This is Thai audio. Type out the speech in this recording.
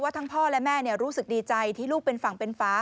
ทั้งพ่อและแม่รู้สึกดีใจที่ลูกเป็นฝั่งเป็นฟ้า